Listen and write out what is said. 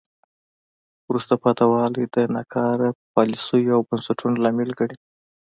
وروسته پاتې والی د ناکاره پالیسیو او بنسټونو لامل ګڼي.